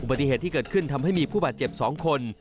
ปฏิเหตุที่เกิดขึ้นทำให้มีผู้บาดเจ็บ๒คน